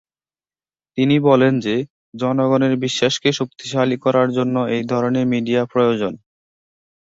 তিনি বলেন যে, জনগণের বিশ্বাসকে শক্তিশালী করার জন্য এই ধরনের মিডিয়া প্রয়োজন।